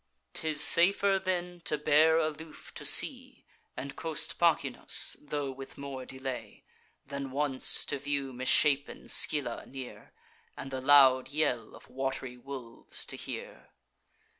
'Tis safer, then, to bear aloof to sea, And coast Pachynus, tho' with more delay, Than once to view misshapen Scylla near, And the loud yell of wat'ry wolves to hear.